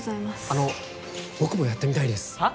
あの僕もやってみたいですはあ！？